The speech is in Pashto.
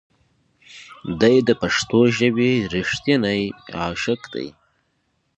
دی د پښتو ژبې رښتینی عاشق دی.